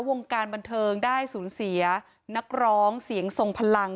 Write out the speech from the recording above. วงการบันเทิงได้สูญเสียนักร้องเสียงทรงพลัง